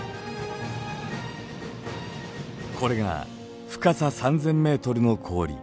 これが深さ３０００メートルの氷。